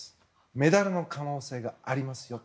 メダルの可能性がありますよ。